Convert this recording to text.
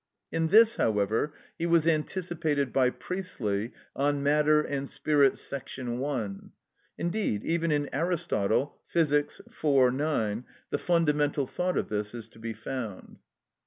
In this, however, he was anticipated by Priestley, "On Matter and Spirit," sect. i. Indeed, even in Aristotle, "Phys." iv. 9, the fundamental thought of this is to be found.